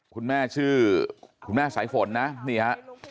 คุณแม่ชื่อคุณแม่สายฝนนะนี่ฮะ